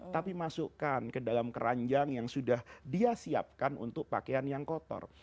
tapi masukkan ke dalam keranjang yang sudah dia siapkan untuk pakaian yang kotor